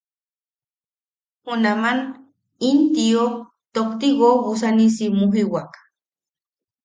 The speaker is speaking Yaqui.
Junaman in tio tokti woobusanisi mujiwak.